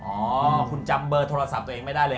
อ๋อคุณจำเบอร์โทรศัพท์ตัวเองไม่ได้เลย